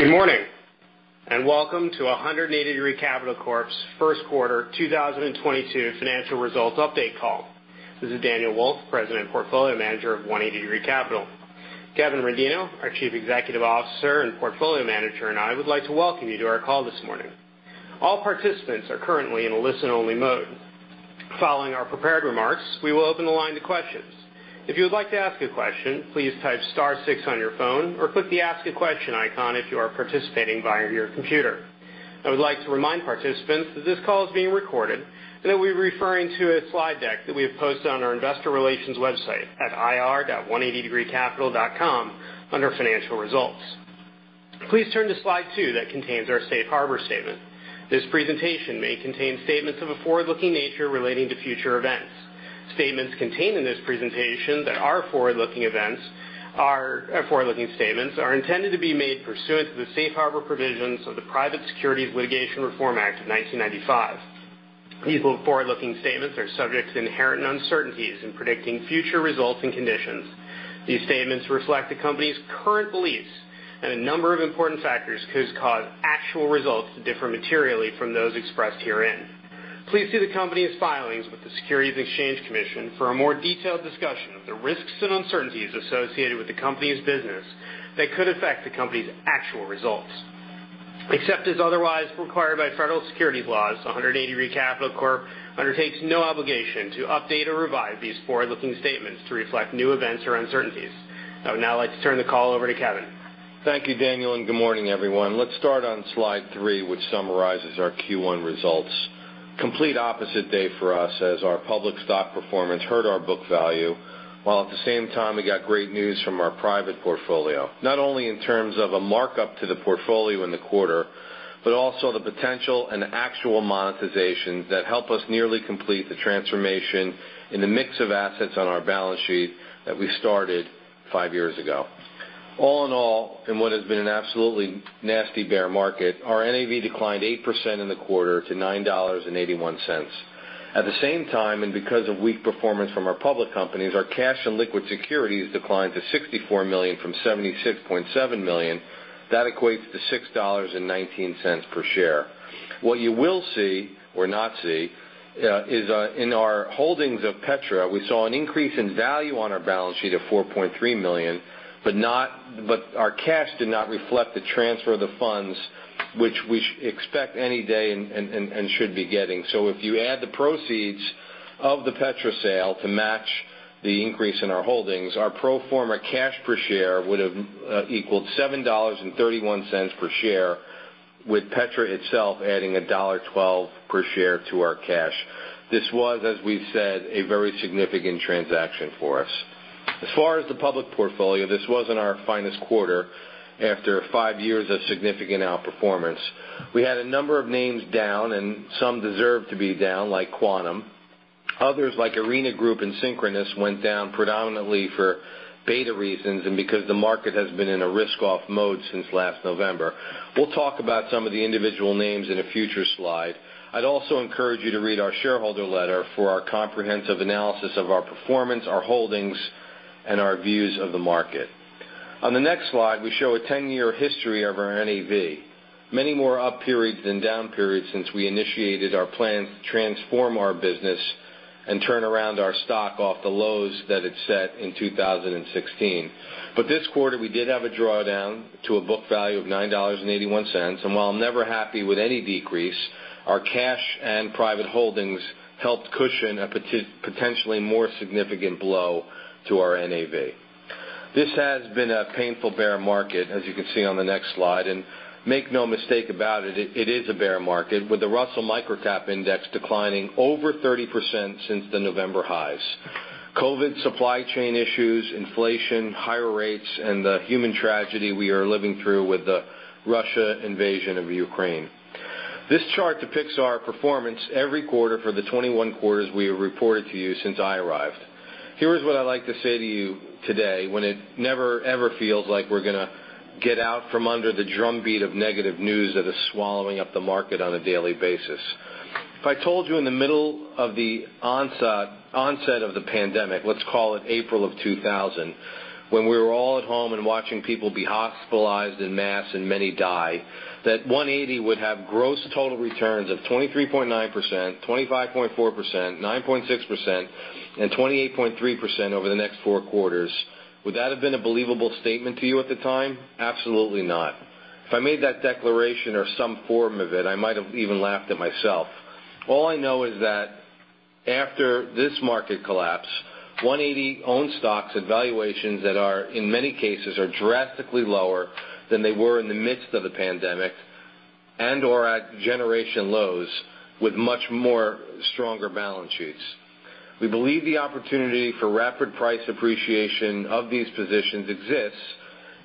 Good morning, welcome to 180 Degree Capital Corp.'s first quarter 2022 financial results update call. This is Daniel Wolfe, President and Portfolio Manager of 180 Degree Capital. Kevin Rendino, our Chief Executive Officer and Portfolio Manager, and I would like to welcome you to our call this morning. All participants are currently in a listen-only mode. Following our prepared remarks, we will open the line to questions. If you would like to ask a question, please type star six on your phone, or click the Ask a Question icon if you are participating via your computer. I would like to remind participants that this call is being recorded, and that we're referring to a slide deck that we have posted on our investor relations website at ir.180degreecapital.com under Financial Results. Please turn to slide two that contains our safe harbor statement. This presentation may contain statements of a forward-looking nature relating to future events. Statements contained in this presentation that are forward-looking statements are intended to be made pursuant to the safe harbor provisions of the Private Securities Litigation Reform Act of 1995. These forward-looking statements are subject to inherent uncertainties in predicting future results and conditions. These statements reflect the company's current beliefs, and a number of important factors could cause actual results to differ materially from those expressed herein. Please see the company's filings with the Securities and Exchange Commission for a more detailed discussion of the risks and uncertainties associated with the company's business that could affect the company's actual results. Except as otherwise required by federal securities laws, 180 Degree Capital Corp. undertakes no obligation to update or revise these forward-looking statements to reflect new events or uncertainties. I would now like to turn the call over to Kevin. Thank you, Daniel, and good morning, everyone. Let's start on slide three, which summarizes our Q1 results. Complete opposite day for us as our Public Stock performance hurt our book value, while at the same time, we got great news from our Private portfolio, not only in terms of a markup to the portfolio in the quarter, but also the potential and actual monetization that help us nearly complete the transformation in the mix of assets on our balance sheet that we started five years ago. All in all, in what has been an absolutely nasty bear market, our NAV declined 8% in the quarter to $9.81. At the same time, and because of weak performance from our public companies, our cash and liquid securities declined to $64 million from $76.7 million. That equates to $6.19 per share. What you will see or not see is in our holdings of Petra, we saw an increase in value on our balance sheet of $4.3 million, but our cash did not reflect the transfer of the funds which we expect any day and should be getting. If you add the proceeds of the Petra sale to match the increase in our holdings, our pro forma cash per share would've equaled $7.31 per share, with Petra itself adding $1.12 per share to our cash. This was, as we've said, a very significant transaction for us. As far as the public portfolio, this wasn't our finest quarter after five years of significant outperformance. We had a number of names down, and some deserve to be down, like Quantum. Others, like Arena Group and Synchronoss, went down predominantly for beta reasons and because the market has been in a risk-off mode since last November. We'll talk about some of the individual names in a future slide. I'd also encourage you to read our shareholder letter for our comprehensive analysis of our performance, our holdings, and our views of the market. On the next slide, we show a 10-year history of our NAV. Many more up periods than down periods since we initiated our plan to transform our business and turn around our stock off the lows that it set in 2016. This quarter, we did have a drawdown to a book value of $9.81. While I'm never happy with any decrease, our cash and private holdings helped cushion a potentially more significant blow to our NAV. This has been a painful bear market, as you can see on the next slide. Make no mistake about it is a bear market, with the Russell Microcap Index declining over 30% since the November highs. COVID supply chain issues, inflation, higher rates, and the human tragedy we are living through with the Russian invasion of Ukraine. This chart depicts our performance every quarter for the 21 quarters we have reported to you since I arrived. Here is what I'd like to say to you today when it never ever feels like we're gonna get out from under the drumbeat of negative news that is swallowing up the market on a daily basis. If I told you in the middle of the onset of the pandemic, let's call it April of 2000, when we were all at home and watching people be hospitalized en masse and many die, that 180 would have gross total returns of 23.9%, 25.4%, 9.6%, and 28.3% over the next four quarters, would that have been a believable statement to you at the time? Absolutely not. If I made that declaration or some form of it, I might have even laughed at myself. All I know is that after this market collapse, 180 owns stocks at valuations that are, in many cases, drastically lower than they were in the midst of the pandemic and/or at generation lows with much more stronger balance sheets. We believe the opportunity for rapid price appreciation of these positions exists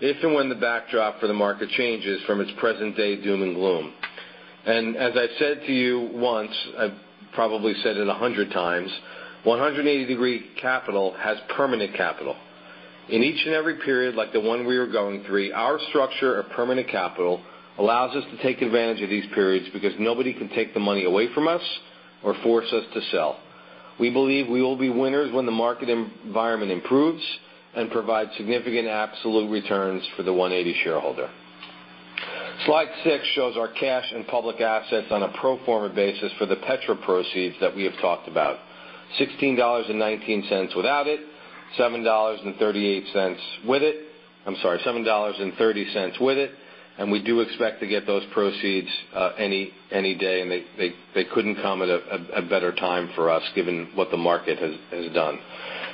if and when the backdrop for the market changes from its present-day doom and gloom. As I said to you once, I've probably said it 100 times, 180 Degree Capital has permanent capital. In each and every period, like the one we are going through, our structure of permanent capital allows us to take advantage of these periods because nobody can take the money away from us or force us to sell. We believe we will be winners when the market environment improves and provide significant absolute returns for the 180 shareholder. Slide six shows our cash and public assets on a pro forma basis for the Petra proceeds that we have talked about. $16.19 without it, $7.38 with it. I'm sorry, $7.30 with it, and we do expect to get those proceeds any day, and they couldn't come at a better time for us, given what the market has done.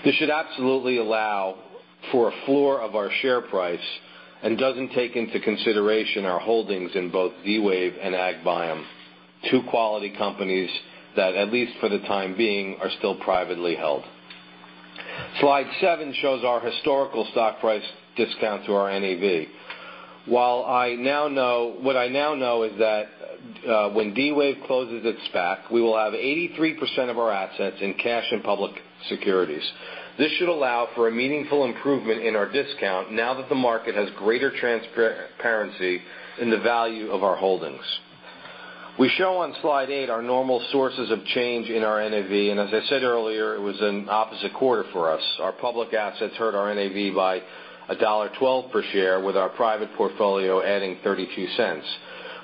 This should absolutely allow for a floor of our share price, and doesn't take into consideration our holdings in both D-Wave and AgBiome, two quality companies that, at least for the time being, are still privately held. Slide six shows our historical stock price discount to our NAV. What I now know is that, when D-Wave closes its SPAC, we will have 83% of our assets in cash and public securities. This should allow for a meaningful improvement in our discount now that the market has greater transparency in the value of our holdings. We show on slide eight our normal sources of change in our NAV, and as I said earlier, it was an opposite quarter for us. Our public assets hurt our NAV by $1.12 per share, with our private portfolio adding $0.32.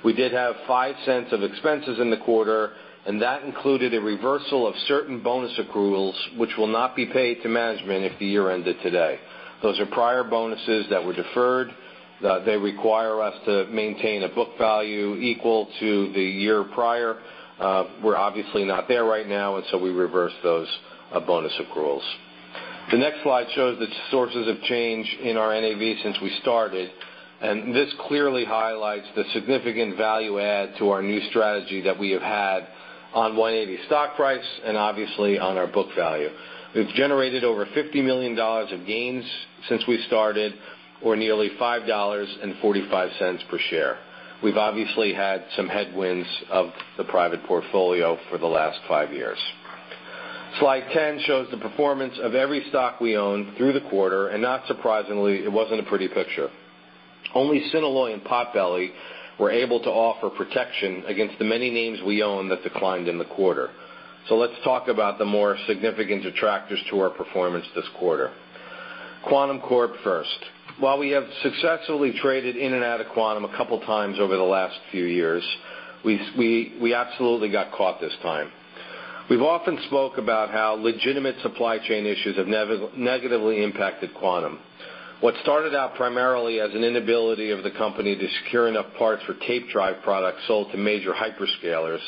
We did have $0.05 of expenses in the quarter, and that included a reversal of certain bonus accruals, which will not be paid to management if the year ended today. Those are prior bonuses that were deferred. They require us to maintain a book value equal to the year prior. We're obviously not there right now, and so we reversed those bonus accruals. The next slide shows the sources of change in our NAV since we started, and this clearly highlights the significant value add to our new strategy that we have had on 180 stock price and obviously on our book value. We've generated over $50 million of gains since we started, or nearly $5.45 per share. We've obviously had some headwinds of the private portfolio for the last five years. Slide ten shows the performance of every stock we own through the quarter, and not surprisingly, it wasn't a pretty picture. Only Synalloy and Potbelly were able to offer protection against the many names we own that declined in the quarter. Let's talk about the more significant detractors to our performance this quarter. Quantum Corp first. While we have successfully traded in and out of Quantum a couple times over the last few years, we absolutely got caught this time. We've often spoke about how legitimate supply chain issues have negatively impacted Quantum. What started out primarily as an inability of the company to secure enough parts for tape drive products sold to major hyperscalers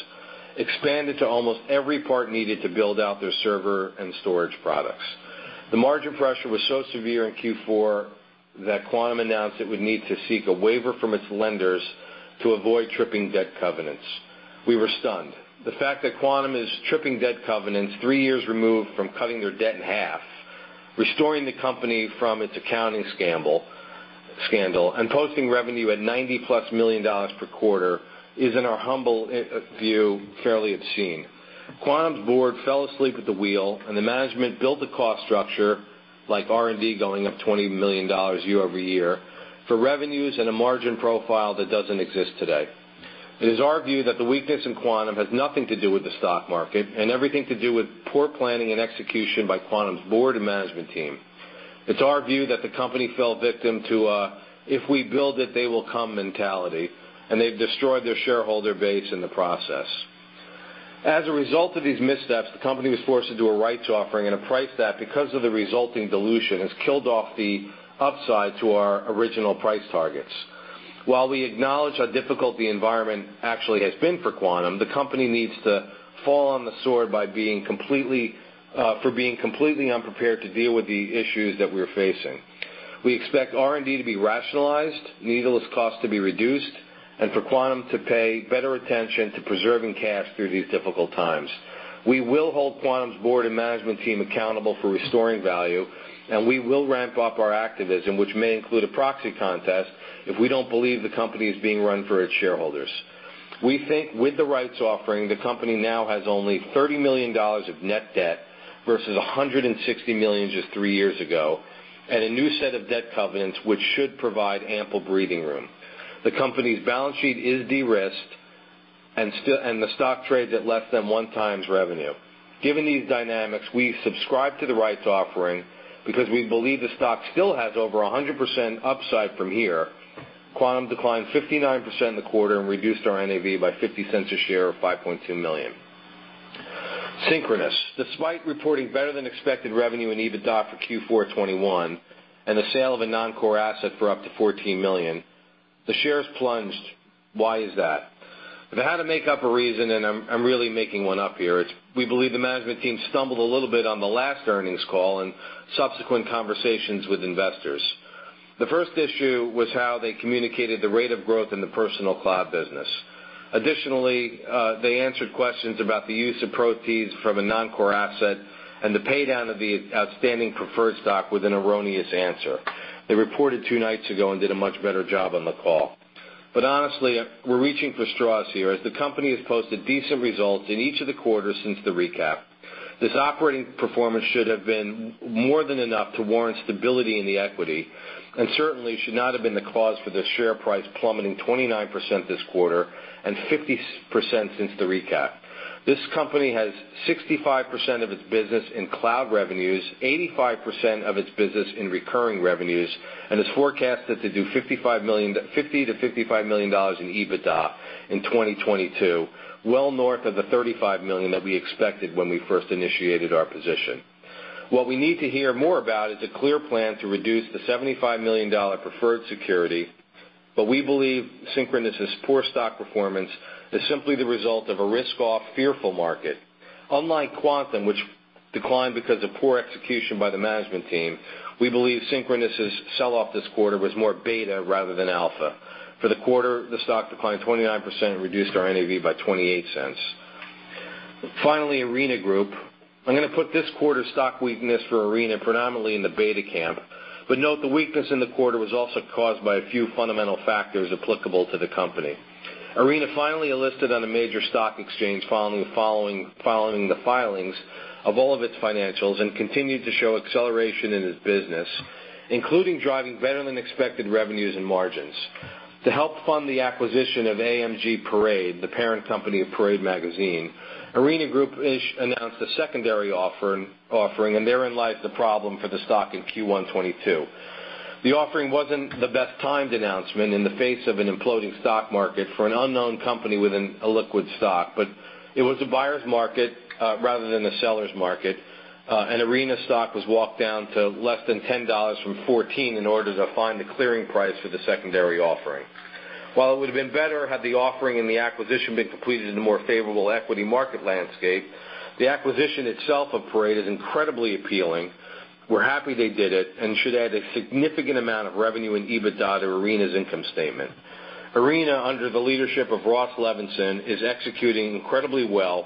expanded to almost every part needed to build out their server and storage products. The margin pressure was so severe in Q4 that Quantum announced it would need to seek a waiver from its lenders to avoid tripping debt covenants. We were stunned. The fact that Quantum is tripping debt covenants three years removed from cutting their debt in half, restoring the company from its accounting scandal and posting revenue at $90+ million per quarter is, in our humble view, fairly obscene. Quantum's board fell asleep at the wheel, and the management built a cost structure, like R&D going up $20 million year-over-year, for revenues and a margin profile that doesn't exist today. It is our view that the weakness in Quantum has nothing to do with the stock market and everything to do with poor planning and execution by Quantum's board and management team. It's our view that the company fell victim to a if-we-build-it-they-will-come mentality, and they've destroyed their shareholder base in the process. As a result of these missteps, the company was forced to do a rights offering at a price that, because of the resulting dilution, has killed off the upside to our original price targets. While we acknowledge how difficult the environment actually has been for Quantum, the company needs to fall on the sword by being completely unprepared to deal with the issues that we're facing. We expect R&D to be rationalized, needless costs to be reduced, and for Quantum to pay better attention to preserving cash through these difficult times. We will hold Quantum's board and management team accountable for restoring value, and we will ramp up our activism, which may include a proxy contest if we don't believe the company is being run for its shareholders. We think with the rights offering, the company now has only $30 million of net debt versus $160 million just three years ago, and a new set of debt covenants which should provide ample breathing room. The company's balance sheet is de-risked and still and the stock trades at less than one times revenue. Given these dynamics, we subscribe to the rights offering because we believe the stock still has over 100% upside from here. Quantum declined 59% in the quarter and reduced our NAV by $0.50 a share or $5.2 million. Synchronoss. Despite reporting better-than-expected revenue and EBITDA for Q4 2021 and the sale of a non-core asset for up to $14 million, the shares plunged. Why is that? If I had to make up a reason, and I'm really making one up here, it's we believe the management team stumbled a little bit on the last earnings call and subsequent conversations with investors. The first issue was how they communicated the rate of growth in the personal cloud business. Additionally, they answered questions about the use of proceeds from a non-core asset and the pay-down of the outstanding preferred stock with an erroneous answer. They reported two nights ago and did a much better job on the call. Honestly, we're reaching for straws here as the company has posted decent results in each of the quarters since the recap. This operating performance should have been more than enough to warrant stability in the equity and certainly should not have been the cause for the share price plummeting 29% this quarter and 50% since the recap. This company has 65% of its business in cloud revenues, 85% of its business in recurring revenues, and is forecasted to do $50 million-$55 million in EBITDA in 2022, well north of the $35 million that we expected when we first initiated our position. What we need to hear more about is a clear plan to reduce the $75 million preferred security. We believe Synchronoss' poor stock performance is simply the result of a risk-off fearful market. Unlike Quantum, which declined because of poor execution by the management team, we believe Synchronoss' sell-off this quarter was more beta rather than alpha. For the quarter, the stock declined 29% and reduced our NAV by $0.28. Finally, Arena Group. I'm gonna put this quarter's stock weakness for Arena predominantly in the beta camp, but note the weakness in the quarter was also caused by a few fundamental factors applicable to the company. Arena finally listed on a major stock exchange following the filings of all of its financials and continued to show acceleration in its business, including driving better-than-expected revenues and margins. To help fund the acquisition of AMG/Parade, the parent company of Parade magazine, Arena Group announced a secondary offering, and therein lies the problem for the stock in Q1 2022. The offering wasn't the best-timed announcement in the face of an imploding stock market for an unknown company with a liquid stock, but it was a buyer's market, rather than a seller's market. Arena stock was walked down to less than $10 from $14 in order to find the clearing price for the secondary offering. While it would've been better had the offering and the acquisition been completed in a more favorable equity market landscape, the acquisition itself of Parade is incredibly appealing. We're happy they did it, and should add a significant amount of revenue and EBITDA to Arena's income statement. Arena, under the leadership of Ross Levinsohn, is executing incredibly well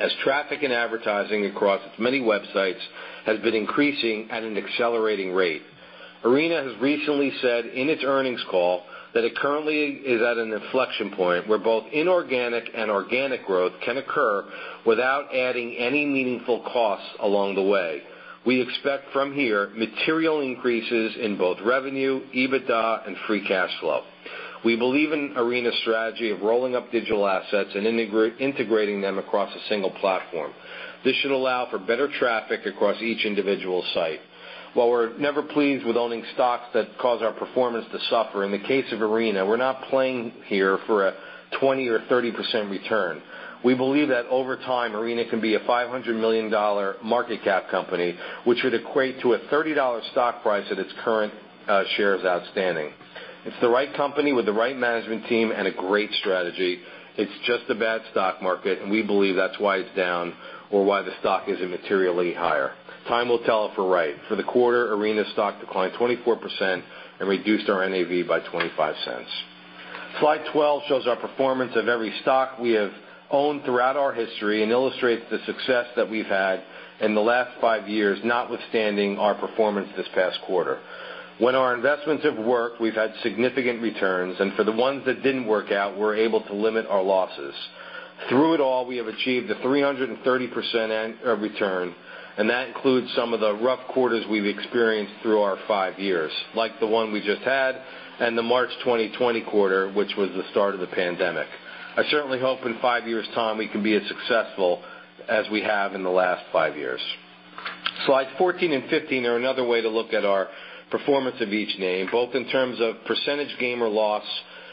as traffic and advertising across its many websites has been increasing at an accelerating rate. Arena has recently said in its earnings call that it currently is at an inflection point where both inorganic and organic growth can occur without adding any meaningful costs along the way. We expect from here material increases in both revenue, EBITDA, and free cash flow. We believe in Arena's strategy of rolling up digital assets and integrating them across a single platform. This should allow for better traffic across each individual site. While we're never pleased with owning stocks that cause our performance to suffer, in the case of Arena, we're not playing here for a 20% or 30% return. We believe that over time, Arena can be a $500 million market cap company, which would equate to a $30 stock price at its current shares outstanding. It's the right company with the right management team and a great strategy. It's just a bad stock market, and we believe that's why it's down or why the stock isn't materially higher. Time will tell if we're right. For the quarter, Arena stock declined 24% and reduced our NAV by $0.25. Slide 12 shows our performance of every stock we have owned throughout our history and illustrates the success that we've had in the last five years, notwithstanding our performance this past quarter. When our investments have worked, we've had significant returns, and for the ones that didn't work out, we're able to limit our losses. Through it all, we have achieved a 330% return, and that includes some of the rough quarters we've experienced through our five years, like the one we just had and the March 2020 quarter, which was the start of the pandemic. I certainly hope in five years' time we can be as successful as we have in the last five years. Slides 14 and 15 are another way to look at our performance of each name, both in terms of percentage gain or loss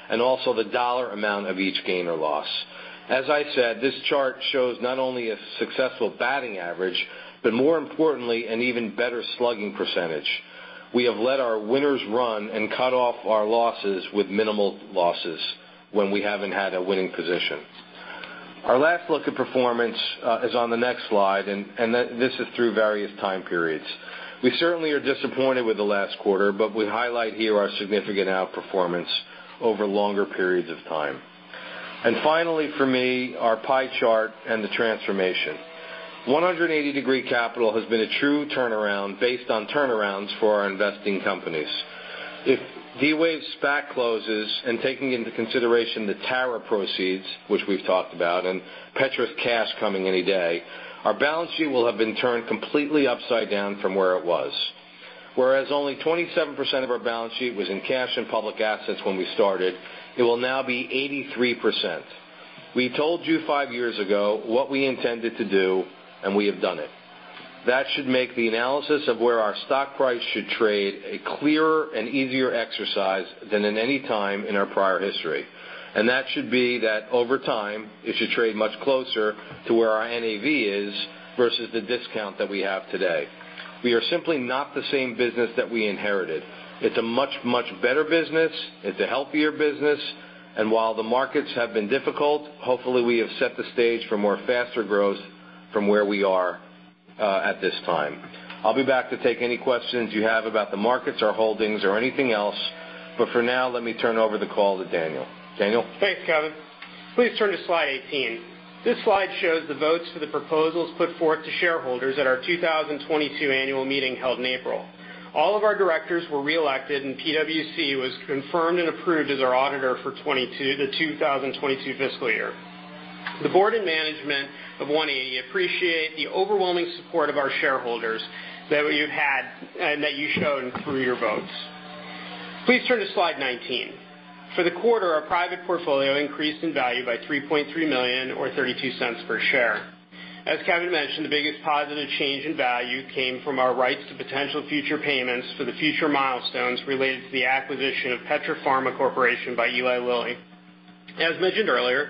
and also the dollar amount of each gain or loss. As I said, this chart shows not only a successful batting average, but more importantly, an even better slugging percentage. We have let our winners run and cut off our losses with minimal losses when we haven't had a winning position. Our last look at performance is on the next slide and this is through various time periods. We certainly are disappointed with the last quarter, but we highlight here our significant outperformance over longer periods of time. Finally for me, our pie chart and the transformation. 180 Degree Capital has been a true turnaround based on turnarounds for our investing companies. If D-Wave's SPAC closes, and taking into consideration the TARA proceeds, which we've talked about, and Petra cash coming any day, our balance sheet will have been turned completely upside down from where it was. Whereas only 27% of our balance sheet was in cash and public assets when we started, it will now be 83%. We told you five years ago what we intended to do, and we have done it. That should make the analysis of where our stock price should trade a clearer and easier exercise than at any time in our prior history. That should be that over time, it should trade much closer to where our NAV is versus the discount that we have today. We are simply not the same business that we inherited. It's a much, much better business. It's a healthier business. While the markets have been difficult, hopefully we have set the stage for more faster growth from where we are, at this time. I'll be back to take any questions you have about the markets or holdings or anything else. For now, let me turn over the call to Daniel. Daniel? Thanks, Kevin. Please turn to slide 18. This slide shows the votes for the proposals put forth to shareholders at our 2022 annual meeting held in April. All of our directors were reelected, and PwC was confirmed and approved as our auditor for the 2022 fiscal year. The board and management of 180 appreciate the overwhelming support of our shareholders that you've had and that you've shown through your votes. Please turn to slide 19. For the quarter, our private portfolio increased in value by $3.3 million or $0.32 per share. As Kevin mentioned, the biggest positive change in value came from our rights to potential future payments for the future milestones related to the acquisition of Petra Pharma Corporation by Eli Lilly. As mentioned earlier,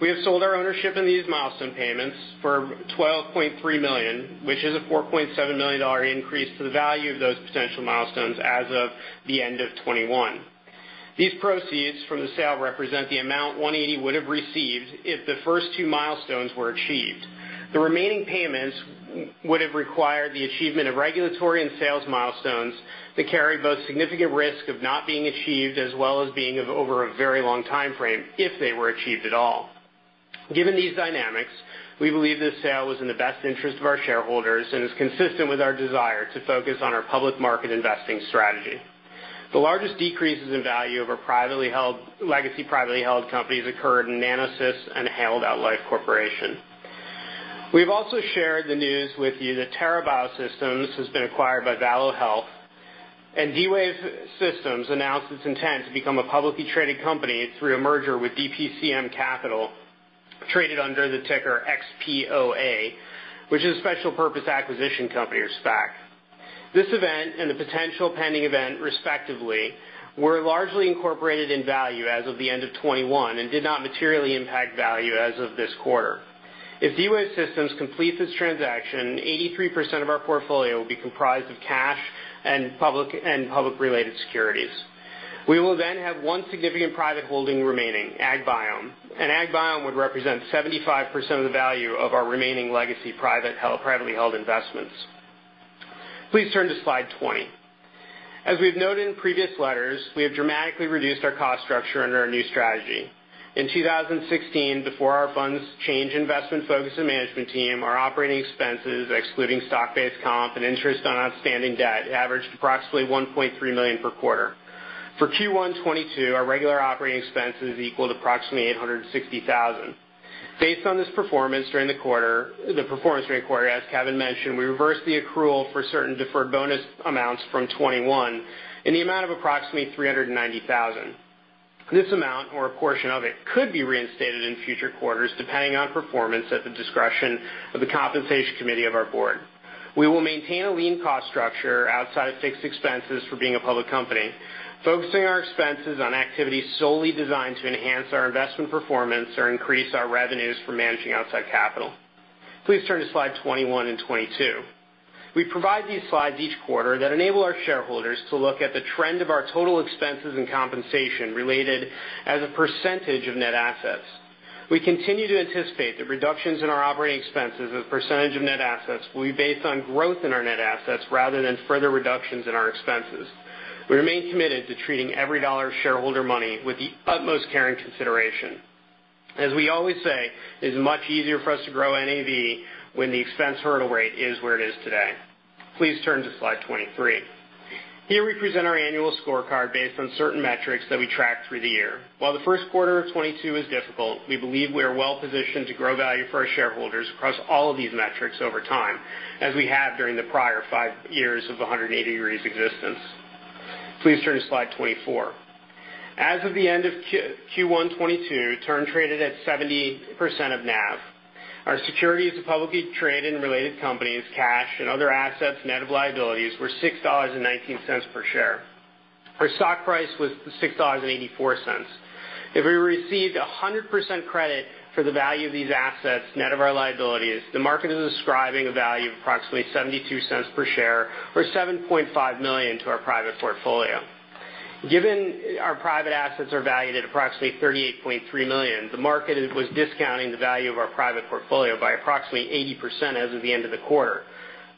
we have sold our ownership in these milestone payments for $12.3 million, which is a $4.7 million increase to the value of those potential milestones as of the end of 2021. These proceeds from the sale represent the amount 180 would have received if the first two milestones were achieved. The remaining payments would have required the achievement of regulatory and sales milestones that carry both significant risk of not being achieved, as well as being of over a very long timeframe, if they were achieved at all. Given these dynamics, we believe this sale was in the best interest of our shareholders and is consistent with our desire to focus on our public market investing strategy. The largest decreases in value of our legacy privately held companies occurred in Nanosys and Hale Life Corporation. We've also shared the news with you that TARA Biosystems has been acquired by Valo Health, and D-Wave Systems announced its intent to become a publicly traded company through a merger with DPCM Capital, traded under the ticker XPOA, which is a special purpose acquisition company, or SPAC. This event and the potential pending event, respectively, were largely incorporated in value as of the end of 2021 and did not materially impact value as of this quarter. If D-Wave Systems completes this transaction, 83% of our portfolio will be comprised of cash and public, and public related securities. We will then have one significant private holding remaining, AgBiome. AgBiome would represent 75% of the value of our remaining legacy privately held investments. Please turn to slide 20. As we've noted in previous letters, we have dramatically reduced our cost structure under our new strategy. In 2016, before our funds changed investment focus and management team, our operating expenses, excluding stock-based comp and interest on outstanding debt, averaged approximately $1.3 million per quarter. For Q1 2022, our regular operating expenses equaled approximately $860,000. Based on this performance during the quarter, as Kevin mentioned, we reversed the accrual for certain deferred bonus amounts from 2021 in the amount of approximately $390,000. This amount or a portion of it could be reinstated in future quarters, depending on performance at the discretion of the compensation committee of our board. We will maintain a lean cost structure outside of fixed expenses for being a public company, focusing our expenses on activities solely designed to enhance our investment performance or increase our revenues from managing outside capital. Please turn to slide 21 and 22. We provide these slides each quarter that enable our shareholders to look at the trend of our total expenses and compensation related as a percentage of net assets. We continue to anticipate that reductions in our operating expenses as a percentage of net assets will be based on growth in our net assets rather than further reductions in our expenses. We remain committed to treating every dollar of shareholder money with the utmost care and consideration. As we always say, it is much easier for us to grow NAV when the expense hurdle rate is where it is today. Please turn to slide 23. Here we present our annual scorecard based on certain metrics that we track through the year. While the first quarter of 2022 is difficult, we believe we are well-positioned to grow value for our shareholders across all of these metrics over time, as we have during the prior five years of 180 Degree Capital's existence. Please turn to slide 24. As of the end of Q1 2022, TURN traded at 70% of NAV. Our securities of publicly traded and related companies, cash, and other assets net of liabilities were $6.19 per share. Our stock price was $6.84. If we received 100% credit for the value of these assets, net of our liabilities, the market is ascribing a value of approximately $0.72 per share or $7.5 million to our private portfolio. Given our private assets are valued at approximately $38.3 million, the market was discounting the value of our private portfolio by approximately 80% as of the end of the quarter.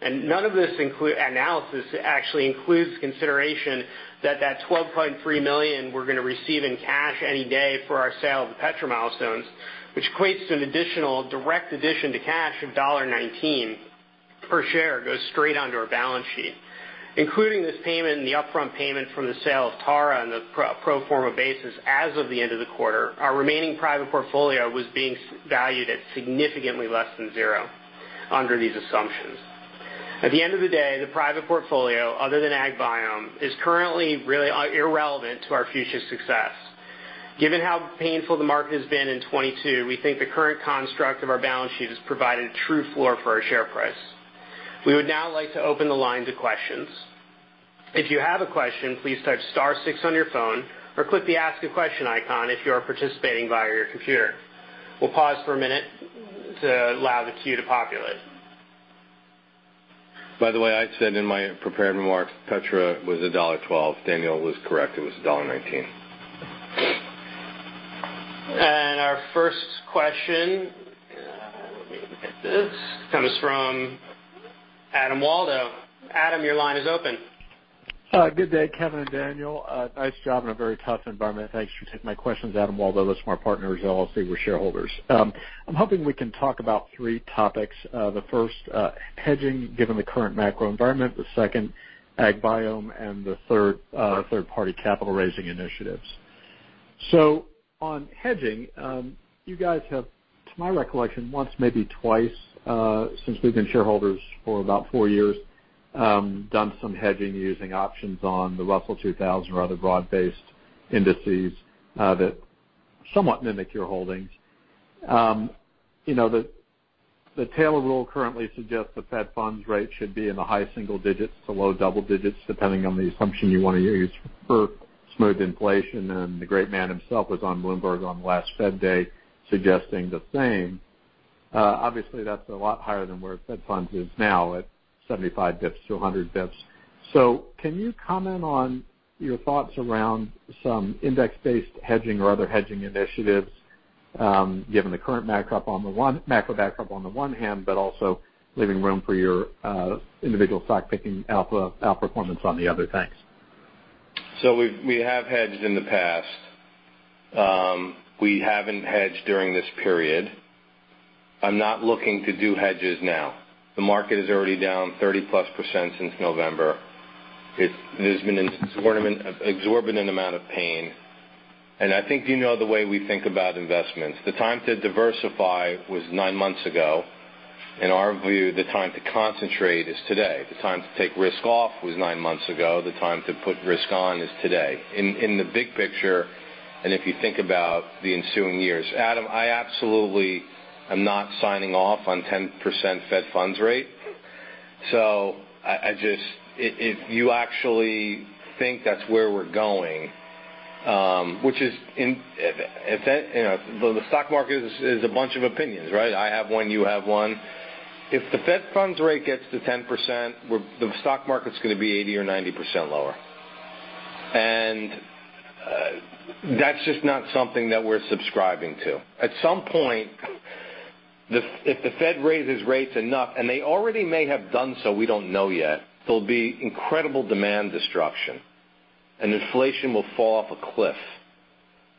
None of this analysis actually includes consideration that $12.3 million we're gonna receive in cash any day for our sale of the Petra milestones, which equates to an additional direct addition to cash of $19 per share, goes straight onto our balance sheet. Including this payment and the upfront payment from the sale of Tara on the pro forma basis, as of the end of the quarter, our remaining private portfolio was being valued at significantly less than zero under these assumptions. At the end of the day, the private portfolio, other than AgBiome, is currently really, irrelevant to our future success. Given how painful the market has been in 2022, we think the current construct of our balance sheet has provided a true floor for our share price. We would now like to open the line to questions. If you have a question, please type star six on your phone or click the Ask a Question icon if you are participating via your computer. We'll pause for a minute to allow the queue to populate. By the way, I said in my prepared remarks Petra was $1.12. Daniel was correct. It was $1.19. Our first question, let me get this, comes from Adam Waldo. Adam, your line is open. Good day, Kevin and Daniel. Nice job in a very tough environment. Thanks for taking my questions. Adam Waldo, Lismore Partners. Obviously, we're shareholders. I'm hoping we can talk about three topics. The first, hedging given the current macro environment, the second AgBiome, and the third-party capital raising initiatives. On hedging, you guys have, to my recollection, once, maybe twice, since we've been shareholders for about four years, done some hedging using options on the Russell 2000 or other broad-based indices, that somewhat mimic your holdings. You know, the Taylor rule currently suggests the Fed funds rate should be in the high single digits to low double digits, depending on the assumption you wanna use for smooth inflation. The great man himself was on Bloomberg on the last Fed day suggesting the same. Obviously, that's a lot higher than where Fed funds is now, at 75 basis points to 100 basis points. Can you comment on your thoughts around some index-based hedging or other hedging initiatives, given the current macro backdrop on the one hand, but also leaving room for your individual stock picking alpha outperformance on the other? Thanks. We have hedged in the past. We haven't hedged during this period. I'm not looking to do hedges now. The market is already down 30%+ since November. There's been an exorbitant amount of pain, and I think you know the way we think about investments. The time to diversify was nine months ago. In our view, the time to concentrate is today. The time to take risk off was nine months ago. The time to put risk on is today. In the big picture, and if you think about the ensuing years, Adam, I absolutely am not signing off on 10% Fed funds rate. I just. If you actually think that's where we're going. You know, the stock market is a bunch of opinions, right? I have one. You have one. If the Fed funds rate gets to 10%, the stock market's gonna be 80% or 90% lower. That's just not something that we're subscribing to. At some point, if the Fed raises rates enough, and they already may have done so, we don't know yet, there'll be incredible demand destruction, and inflation will fall off a cliff.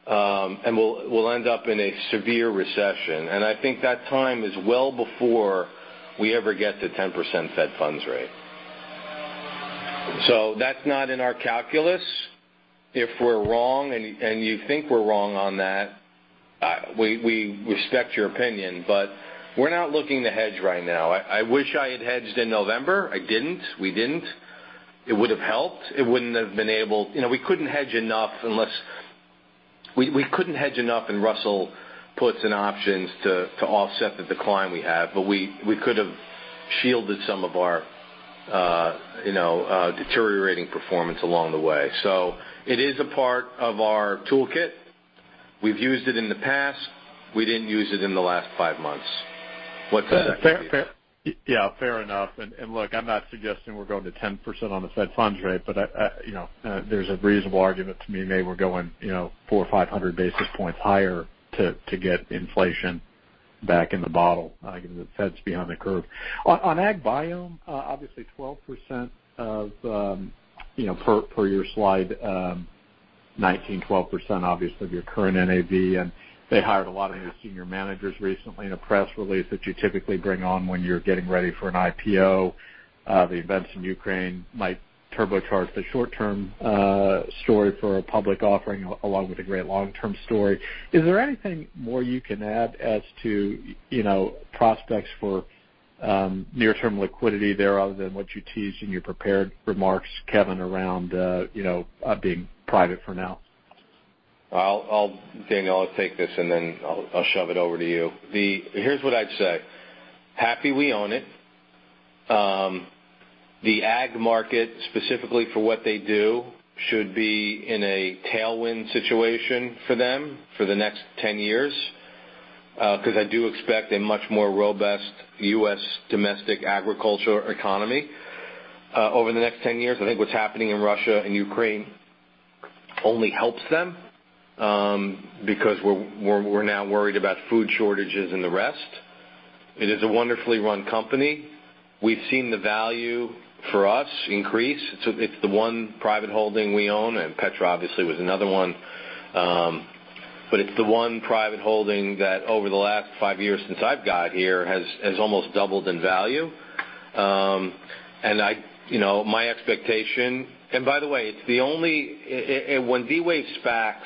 We'll end up in a severe recession. I think that time is well before we ever get to 10% Fed funds rate. That's not in our calculus. If we're wrong and you think we're wrong on that, we respect your opinion, but we're not looking to hedge right now. I wish I had hedged in November. I didn't. We didn't. It would have helped. You know, we couldn't hedge enough unless We couldn't hedge enough, and Russell puts in options to offset the decline we have, but we could have shielded some of our, you know, deteriorating performance along the way. It is a part of our toolkit. We've used it in the past. We didn't use it in the last five months. What's that? Fair, fair. Yeah, fair enough. Look, I'm not suggesting we're going to 10% on the Fed funds rate, but You know, there's a reasonable argument to me maybe we're going, you know, 400 basis points or 500 basis points higher to get inflation back in the bottle. You know, the Fed's behind the curve. On AgBiome, obviously 12% of, you know, per your slide, in 12% obviously of your current NAV, and they hired a lot of new senior managers recently in a press release that you typically bring on when you're getting ready for an IPO. The events in Ukraine might turbocharge the short-term story for a public offering, along with a great long-term story. Is there anything more you can add as to, you know, prospects for, near-term liquidity there other than what you teased in your prepared remarks, Kevin, around, you know, being private for now? Daniel, I'll take this, and then I'll shove it over to you. Here's what I'd say. Happy we own it. The ag market specifically for what they do should be in a tailwind situation for them for the next 10 years, 'cause I do expect a much more robust U.S. domestic agricultural economy over the next 10 years. I think what's happening in Russia and Ukraine only helps them, because we're now worried about food shortages and the rest. It is a wonderfully run company. We've seen the value for us increase. It's the one private holding we own, and Petra obviously was another one, but it's the one private holding that over the last five years since I've got here has almost doubled in value. You know, my expectation. By the way, it's the only. When D-Wave's back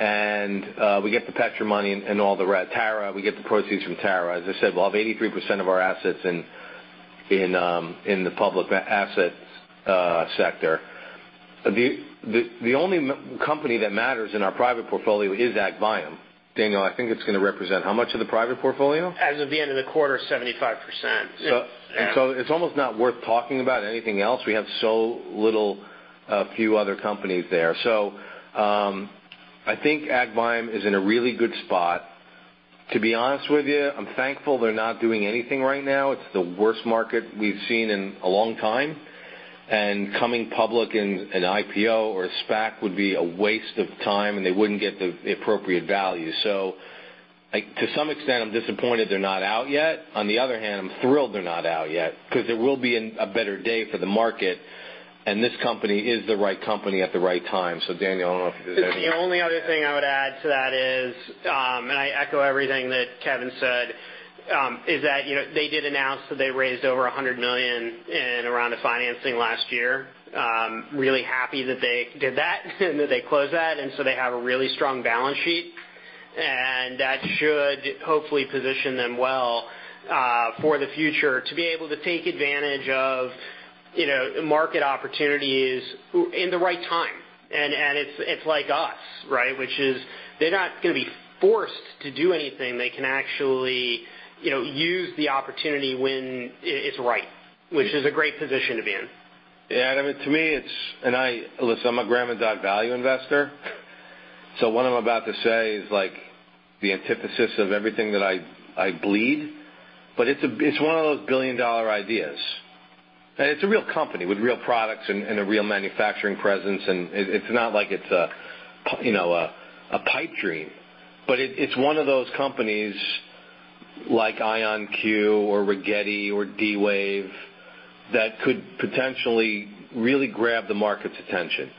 and we get the Petra money and all the rest, TARA, we get the proceeds from TARA, as I said, we'll have 83% of our assets in the public assets sector. The only company that matters in our private portfolio is AgBiome. Daniel, I think it's gonna represent how much of the private portfolio? As of the end of the quarter, 75%. Yeah. It's almost not worth talking about anything else. We have so little, few other companies there. I think AgBiome is in a really good spot. To be honest with you, I'm thankful they're not doing anything right now. It's the worst market we've seen in a long time, and coming public in an IPO or a SPAC would be a waste of time, and they wouldn't get the appropriate value. To some extent, I'm disappointed they're not out yet. On the other hand, I'm thrilled they're not out yet, 'cause there will be a better day for the market, and this company is the right company at the right time. Daniel, I don't know if you have anything. The only other thing I would add to that is, I echo everything that Kevin said in that, you know, they did announce that they raised over $100 million in a round of financing last year. Really happy that they did that and that they closed that, and so they have a really strong balance sheet. That should hopefully position them well for the future to be able to take advantage of, you know, market opportunities in the right time. It's like us, right? Which is they're not gonna be forced to do anything. They can actually, you know, use the opportunity when it's right, which is a great position to be in. Yeah, Adam, to me it's. Listen, I'm a Graham and Dodd value investor, so what I'm about to say is like the antithesis of everything that I bleed, but it's one of those billion-dollar ideas. It's a real company with real products and a real manufacturing presence, and it's not like it's a, you know, a pipe dream. It's one of those companies like IonQ or Rigetti or D-Wave that could potentially really grab the market's attention.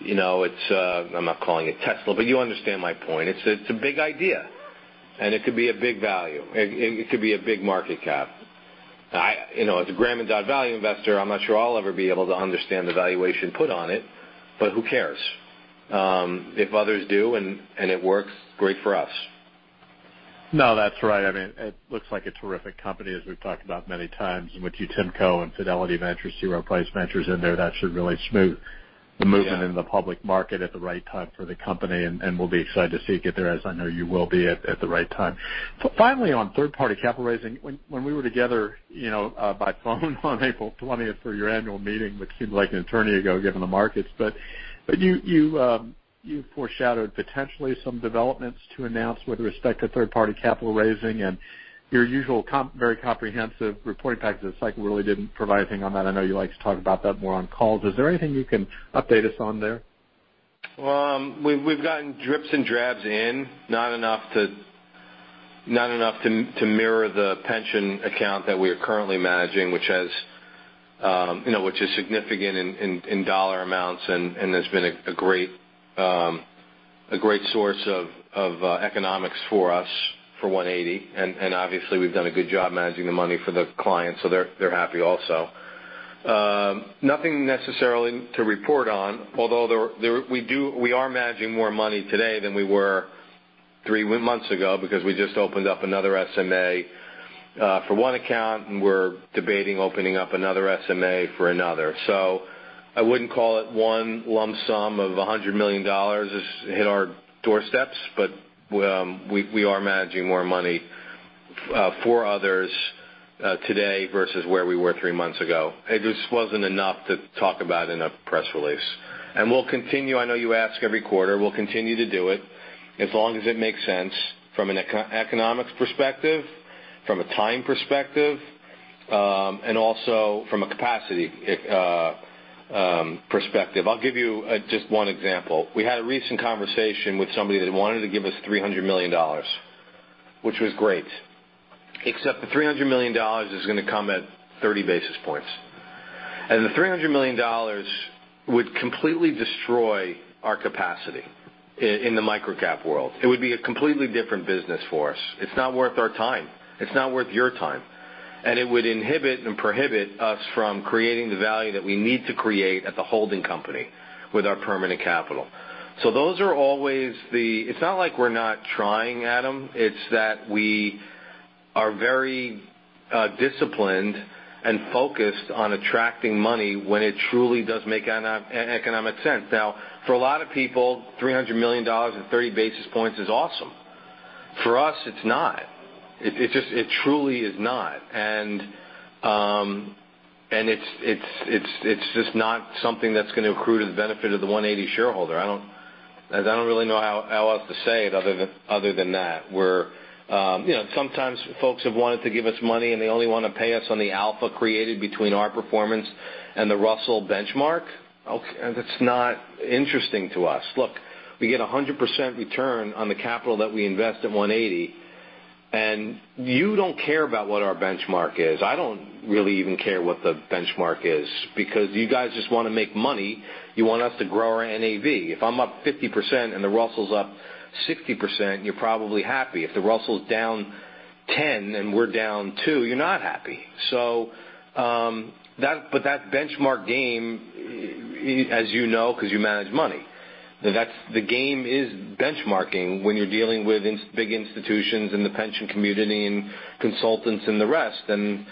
You know, it's. I'm not calling it Tesla, but you understand my point. It's a big idea, and it could be a big value. It could be a big market cap. You know, as a Graham and Dodd value investor, I'm not sure I'll ever be able to understand the valuation put on it, but who cares? If others do and it works, great for us. No, that's right. I mean, it looks like a terrific company, as we've talked about many times. With Temasek and Fidelity Ventures, zero price ventures in there, that should really smooth the movement. Yeah. in the public market at the right time for the company, and we'll be excited to see you get there, as I know you will be at the right time. Finally, on third-party capital raising, when we were together, you know, by phone on April 20th for your annual meeting, which seemed like an eternity ago given the markets, but you foreshadowed potentially some developments to announce with respect to third-party capital raising and your usual very comprehensive reporting package this cycle really didn't provide anything on that. I know you like to talk about that more on calls. Is there anything you can update us on there? We've gotten drips and drabs in, not enough to mirror the pension account that we are currently managing, which is significant in dollar amounts and has been a great source of economics for us for 180. Obviously we've done a good job managing the money for the clients, so they're happy also. Nothing necessarily to report on, although we are managing more money today than we were three months ago because we just opened up another SMA for one account, and we're debating opening up another SMA for another. I wouldn't call it one lump sum of $100 million has hit our doorsteps, but we are managing more money for others today versus where we were three months ago. It just wasn't enough to talk about in a press release. We'll continue. I know you ask every quarter. We'll continue to do it as long as it makes sense from an economics perspective, from a time perspective, and also from a capacity perspective. I'll give you just one example. We had a recent conversation with somebody that wanted to give us $300 million, which was great, except the $300 million is gonna come at 30 basis points. The $300 million would completely destroy our capacity in the microcap world. It would be a completely different business for us. It's not worth our time. It's not worth your time. It would inhibit and prohibit us from creating the value that we need to create at the holding company with our permanent capital. Those are always the. It's not like we're not trying, Adam. It's that we are very disciplined and focused on attracting money when it truly does make economic sense. Now, for a lot of people, $300 million at 30 basis points is awesome. For us, it's not. It just truly is not. It's just not something that's gonna accrue to the benefit of the 180 shareholder. I don't. 'Cause I don't really know how else to say it other than that. We're. You know, sometimes folks have wanted to give us money, and they only wanna pay us on the alpha created between our performance and the Russell Benchmark. Okay. It's not interesting to us. Look, we get 100% return on the capital that we invest at 180, and you don't care about what our benchmark is. I don't really even care what the benchmark is because you guys just wanna make money. You want us to grow our NAV. If I'm up 50% and the Russell's up 60%, you're probably happy. If the Russell's down 10% and we're down 2%, you're not happy. That, but that benchmark game, as you know 'cause you manage money, that's the game is benchmarking when you're dealing with big institutions and the pension community and consultants and the rest, and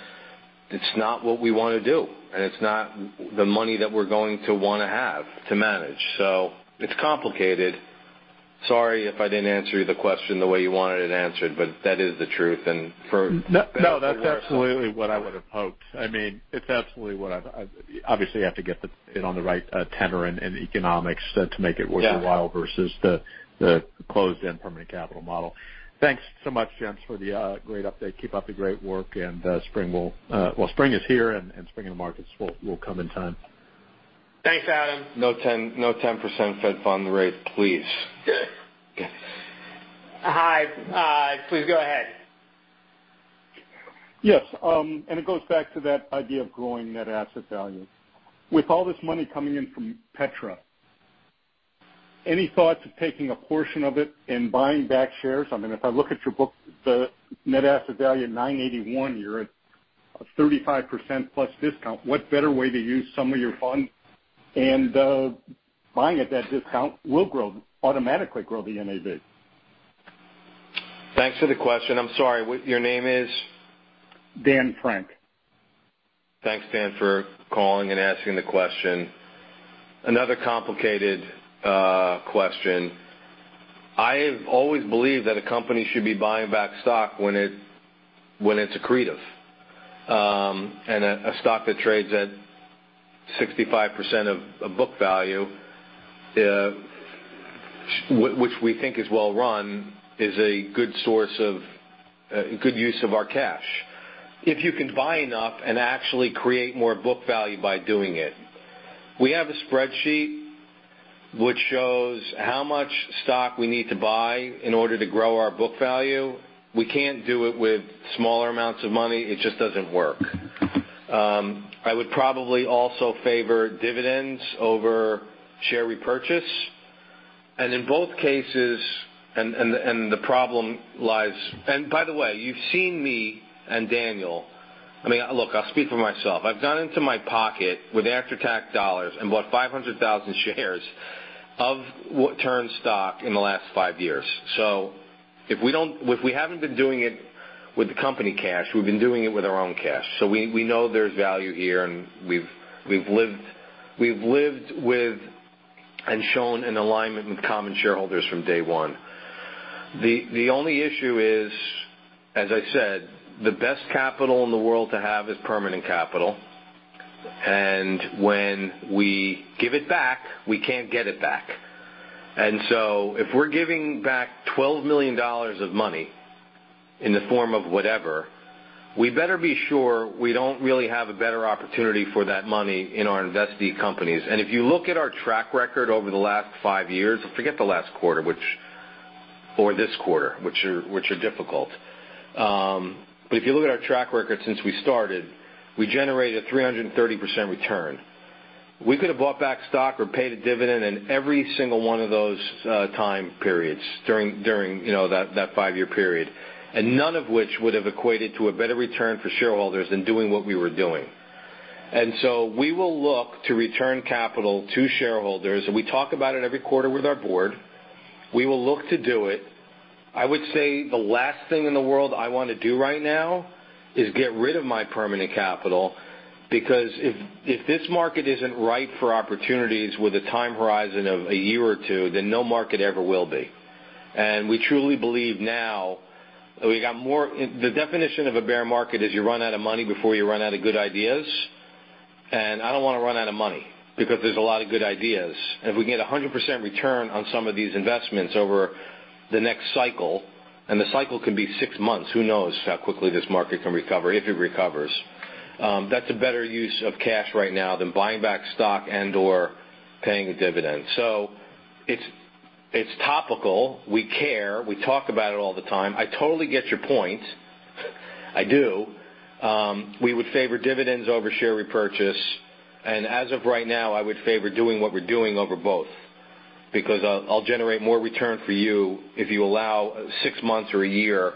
it's not what we wanna do. It's not the money that we're going to wanna have to manage. It's complicated. Sorry if I didn't answer the question the way you wanted it answered, but that is the truth. No, no, that's absolutely what I would've hoped. I mean, it's absolutely. Obviously, you have to get it on the right tenor and economics to make it worth. Yeah. your style versus the closed-end permanent capital model. Thanks so much, gents, for the great update. Keep up the great work and spring is here and spring in the markets will come in time. Thanks, Adam. No 10% Fed funds rate, please. Okay. Okay. Hi. Please go ahead. Yes. It goes back to that idea of growing net asset value. With all this money coming in from Petra, any thoughts of taking a portion of it and buying back shares? I mean, if I look at your book, the net asset value at $9.81, you're at a 35%+ discount. What better way to use some of your funds? Buying at that discount will grow, automatically grow the NAV. Thanks for the question. I'm sorry, what is your name? Dan Frank. Thanks, Dan, for calling and asking the question. Another complicated question. I've always believed that a company should be buying back stock when it's accretive. A stock that trades at 65% of book value, which we think is well run, is a good source of, a good use of our cash if you can buy enough and actually create more book value by doing it. We have a spreadsheet which shows how much stock we need to buy in order to grow our book value. We can't do it with smaller amounts of money. It just doesn't work. I would probably also favor dividends over share repurchase. In both cases, the problem lies. By the way, you've seen me and Daniel. I mean, look, I'll speak for myself. I've gone into my pocket with after-tax dollars and bought 500,000 shares of TURN stock in the last five years. If we haven't been doing it with the company cash, we've been doing it with our own cash. We know there's value here, and we've lived with and shown an alignment with common shareholders from day one. The only issue is, as I said, the best capital in the world to have is permanent capital. When we give it back, we can't get it back. If we're giving back $12 million of money in the form of whatever, we better be sure we don't really have a better opportunity for that money in our investee companies. If you look at our track record over the last five years, forget the last quarter or this quarter, which are difficult. If you look at our track record since we started, we generated a 330% return. We could have bought back stock or paid a dividend in every single one of those time periods during you know that five-year period, and none of which would have equated to a better return for shareholders than doing what we were doing. We will look to return capital to shareholders. We talk about it every quarter with our board. We will look to do it. I would say the last thing in the world I wanna do right now is get rid of my permanent capital, because if this market isn't right for opportunities with a time horizon of a year or two, then no market ever will be. The definition of a bear market is you run out of money before you run out of good ideas. I don't wanna run out of money because there's a lot of good ideas. If we get 100% return on some of these investments over the next cycle, and the cycle could be six months, who knows how quickly this market can recover, if it recovers, that's a better use of cash right now than buying back stock and/or paying a dividend. It's topical. We care. We talk about it all the time. I totally get your point. I do. We would favor dividends over share repurchase, and as of right now, I would favor doing what we're doing over both because I'll generate more return for you if you allow six months or a year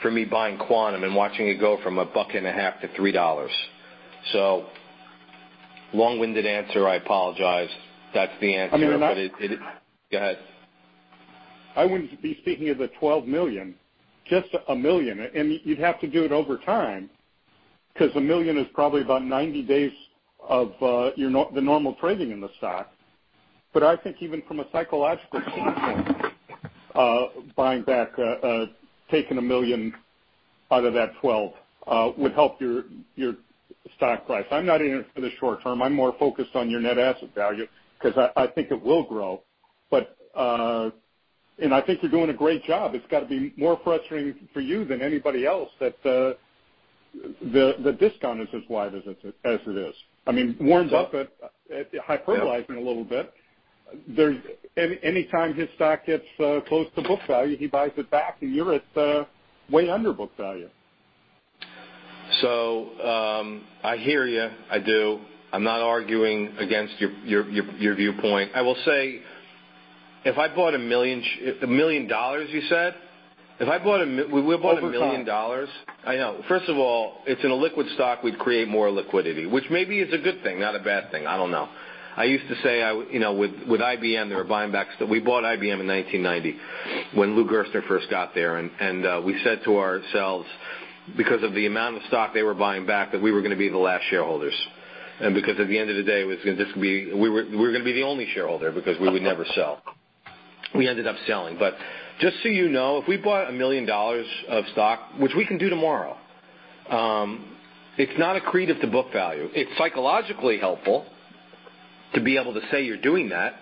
for me buying Quantum and watching it go from $1.50 to $3. Long-winded answer, I apologize. That's the answer. I mean Go ahead. I wouldn't be speaking of the $12 million, just $1 million. You'd have to do it over time, 'cause $1 million is probably about 90 days of the normal trading in the stock. I think even from a psychological standpoint, buying back, taking $1 million out of that $12 million, would help your stock price. I'm not in it for the short term. I'm more focused on your net asset value 'cause I think it will grow. I think you're doing a great job. It's gotta be more frustrating for you than anybody else that the discount is as wide as it is. I mean, Warren Buffett, hyperbolizing a little bit, anytime his stock gets close to book value, he buys it back, and you're at way under book value. I hear you. I do. I'm not arguing against your viewpoint. I will say if I bought $1 million, you said? If I bought a mil- Over $1 million. Would we bought $1 million? I know. First of all, if it's an illiquid stock, we'd create more liquidity, which maybe is a good thing, not a bad thing. I don't know. I used to say I would, you know, with IBM, they were buying back. We bought IBM in 1990 when Lou Gerstner first got there, and we said to ourselves, because of the amount of stock they were buying back, that we were gonna be the last shareholders. Because at the end of the day, it was gonna just be. We were gonna be the only shareholder because we would never sell. We ended up selling. Just so you know, if we bought $1 million of stock, which we can do tomorrow, it's not accretive to book value. It's psychologically helpful to be able to say you're doing that,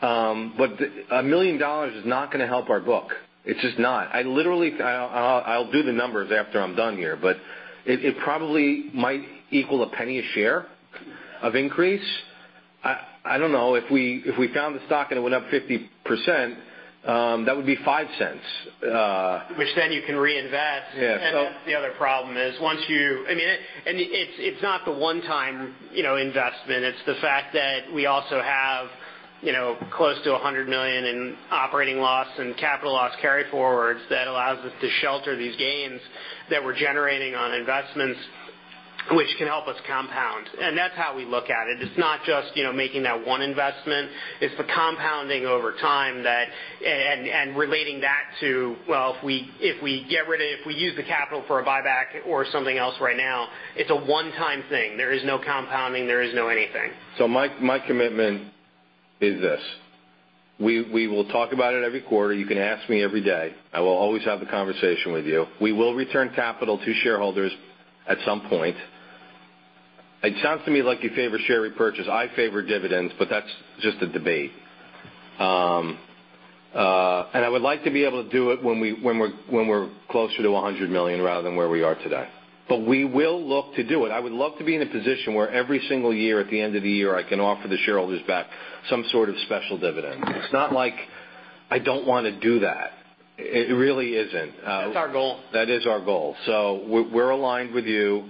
but $1 million is not gonna help our book. It's just not. I'll do the numbers after I'm done here, but it probably might equal $0.01 per share of increase. I don't know. If we found the stock and it went up 50%, that would be $0.05. Which then you can reinvest. Yeah. Then the other problem is, I mean, it's not the one-time, you know, investment. It's the fact that we also have, you know, close to $100 million in operating loss and capital loss carryforwards that allows us to shelter these gains that we're generating on investments which can help us compound. That's how we look at it. It's not just, you know, making that one investment. It's the compounding over time that and relating that to, well, if we use the capital for a buyback or something else right now, it's a one-time thing. There is no compounding. There is no anything. My commitment is this. We will talk about it every quarter. You can ask me every day. I will always have the conversation with you. We will return capital to shareholders at some point. It sounds to me like you favor share repurchase. I favor dividends, but that's just a debate. I would like to be able to do it when we're closer to $100 million rather than where we are today. We will look to do it. I would love to be in a position where every single year at the end of the year, I can offer the shareholders back some sort of special dividend. It's not like I don't wanna do that. It really isn't. It's our goal. That is our goal. We're aligned with you,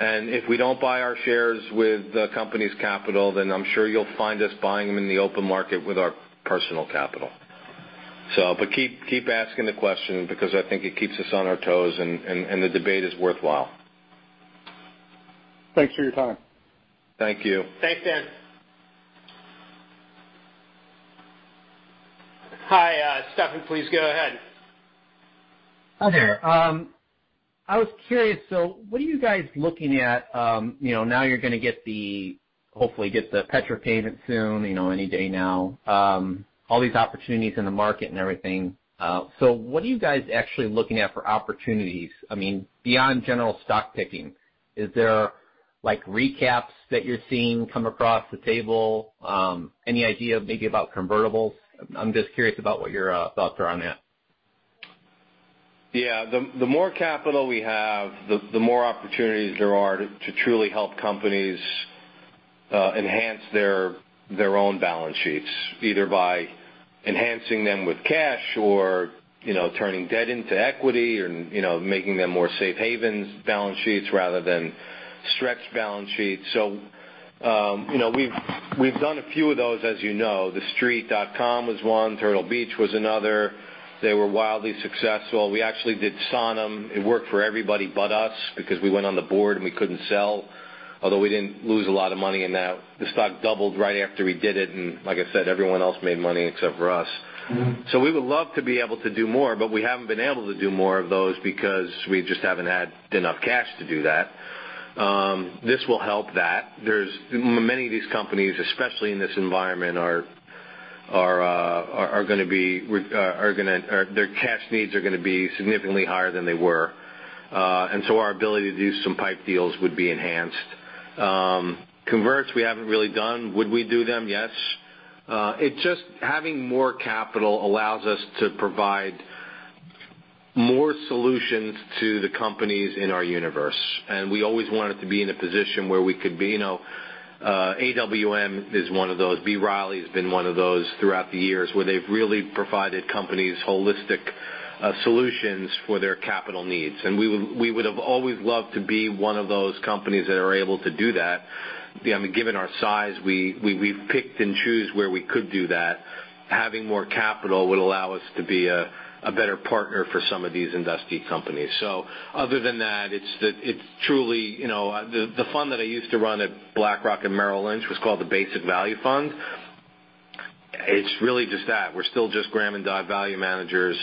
and if we don't buy our shares with the company's capital, then I'm sure you'll find us buying them in the open market with our personal capital. Keep asking the question because I think it keeps us on our toes and the debate is worthwhile. Thanks for your time. Thank you. Thanks, Dan. Hi, Stefan, please go ahead. Hi there. I was curious, so what are you guys looking at, you know, now you're gonna hopefully get the Petra payment soon, you know, any day now, all these opportunities in the market and everything. What are you guys actually looking at for opportunities? I mean, beyond general stock picking, is there, like, recaps that you're seeing come across the table? Any idea maybe about convertibles? I'm just curious about what your thoughts are on that. Yeah. The more capital we have, the more opportunities there are to truly help companies enhance their own balance sheets, either by enhancing them with cash or, you know, turning debt into equity or, you know, making them more safe havens balance sheets rather than stretched balance sheets. You know, we've done a few of those, as you know. TheStreet.com was one, Turtle Beach was another. They were wildly successful. We actually did Synalloy. It worked for everybody but us because we went on the board, and we couldn't sell, although we didn't lose a lot of money in that. The stock doubled right after we did it, and like I said, everyone else made money except for us. Mm-hmm. We would love to be able to do more, but we haven't been able to do more of those because we just haven't had enough cash to do that. This will help that. Many of these companies, especially in this environment, are gonna be. Their cash needs are gonna be significantly higher than they were. Our ability to do some pipe deals would be enhanced. Converts, we haven't really done. Would we do them? Yes. It's just having more capital allows us to provide more solutions to the companies in our universe. We always wanted to be in a position where we could be. AWM is one of those. B. Riley's been one of those throughout the years, where they've really provided companies holistic solutions for their capital needs. We would have always loved to be one of those companies that are able to do that. Yeah, I mean, given our size, we've picked and chosen where we could do that. Having more capital would allow us to be a better partner for some of these industry companies. Other than that, it's truly, you know, the fund that I used to run at BlackRock and Merrill Lynch was called the Basic Value Fund. It's really just that. We're still just Graham and Dodd value managers,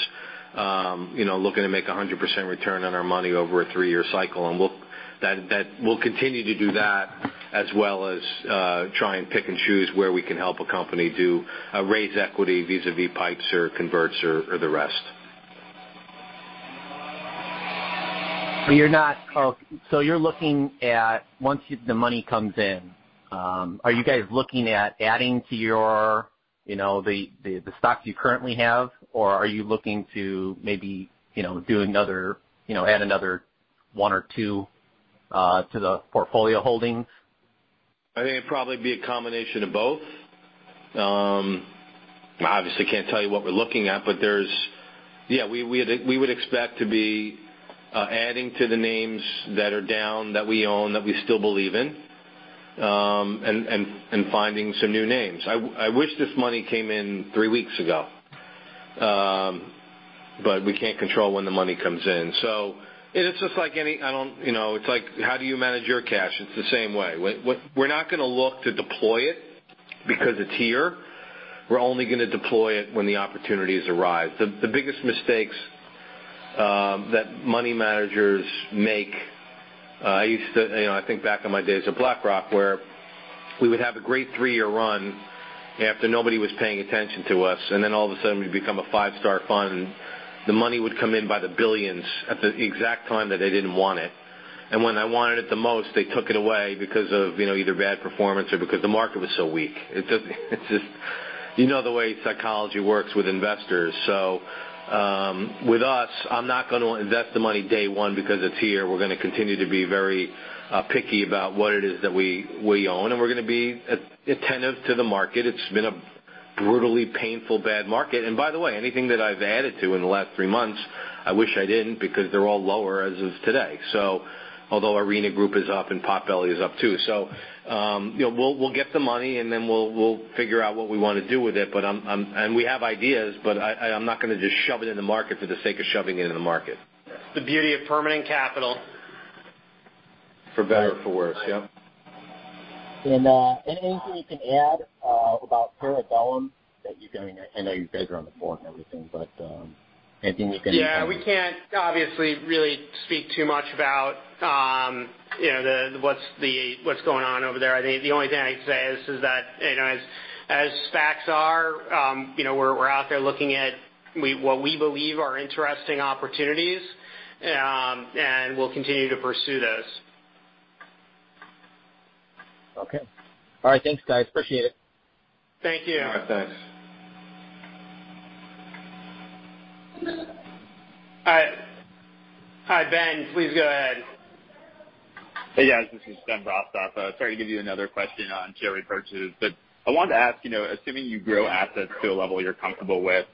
you know, looking to make 100% return on our money over a three-year cycle. We'll continue to do that as well as try and pick and choose where we can help a company do a raise equity vis-à-vis pipes or converts or the rest. Oh, so you're looking at, once the money comes in, are you guys looking at adding to your, you know, the stocks you currently have, or are you looking to maybe, you know, do another, you know, add another one or two to the portfolio holdings? I think it'd probably be a combination of both. Obviously, can't tell you what we're looking at, but there's. Yeah, we would expect to be adding to the names that are down that we own, that we still believe in, and finding some new names. I wish this money came in three weeks ago. But we can't control when the money comes in. It's just like any. You know, it's like, how do you manage your cash? It's the same way. We're not gonna look to deploy it because it's here. We're only gonna deploy it when the opportunities arrive. The biggest mistakes that money managers make. I used to. You know, I think back in my days at BlackRock, where we would have a great three-year run after nobody was paying attention to us, and then all of a sudden, we become a five-star fund. The money would come in by the billions at the exact time that I didn't want it. When I wanted it the most, they took it away because of, you know, either bad performance or because the market was so weak. It's just you know the way psychology works with investors. With us, I'm not gonna invest the money day one because it's here. We're gonna continue to be very picky about what it is that we own, and we're gonna be attentive to the market. It's been a brutally painful, bad market. By the way, anything that I've added to in the last three months, I wish I didn't because they're all lower as of today. Although Arena Group is up and Potbelly is up too. You know, we'll get the money, and then we'll figure out what we wanna do with it. We have ideas, but I'm not gonna just shove it in the market for the sake of shoving it in the market. The beauty of permanent capital. For better or for worse. Yep. anything you can add about Parabellum that you're doing? I know you guys are on the board and everything, but, anything you can- Yeah, we can't obviously really speak too much about, you know, what's going on over there. I think the only thing I can say is that, you know, as SPACs are, you know, we're out there looking at what we believe are interesting opportunities, and we'll continue to pursue those. Okay. All right, thanks, guys. Appreciate it. Thank you. All right. Thanks. All right. Hi, Ben, please go ahead. Hey, guys, this is Ben Brostoff. Sorry to give you another question on share repurchase. I wanted to ask, you know, assuming you grow assets to a level you're comfortable with,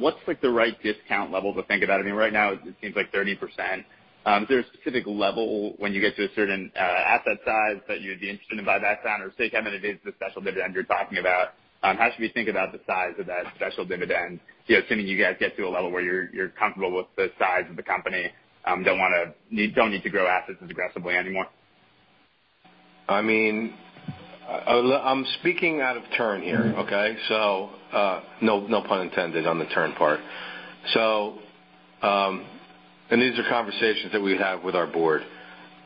what's like the right discount level to think about? I mean, right now it seems like 30%. Is there a specific level when you get to a certain asset size that you'd be interested to buy back then? Or say, Kevin, it is the special dividend you're talking about, how should we think about the size of that special dividend, you know, assuming you guys get to a level where you're comfortable with the size of the company, don't need to grow assets as aggressively anymore? I mean, I'm speaking out of turn here, okay? No pun intended on the turn part. These are conversations that we have with our board.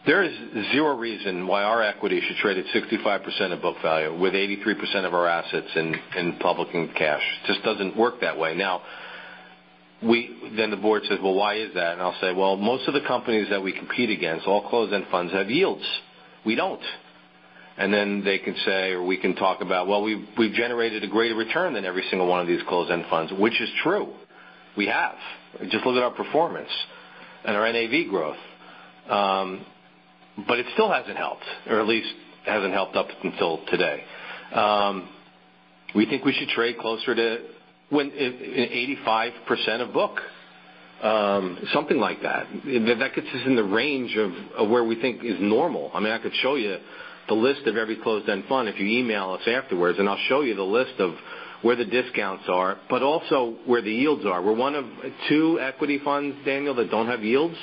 There is zero reason why our equity should trade at 65% of book value with 83% of our assets in public and cash. Just doesn't work that way. Then the board says, "Well, why is that?" I'll say, "Well, most of the companies that we compete against, all closed-end funds have yields. We don't." Then they can say or we can talk about, "Well, we've generated a greater return than every single one of these closed-end funds," which is true. We have. Just look at our performance and our NAV growth. But it still hasn't helped or at least hasn't helped up until today. We think we should trade closer to 85% of book, something like that. That gets us in the range of where we think is normal. I mean, I could show you the list of every closed-end fund if you email us afterwards, and I'll show you the list of where the discounts are, but also where the yields are. We're one of two equity funds, Daniel, that don't have yields.